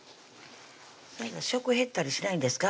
食減ったりしないんですか？